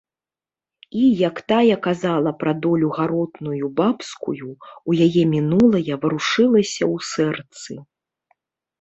І, як тая казала пра долю гаротную бабскую, у яе мінулае варушылася ў сэрцы.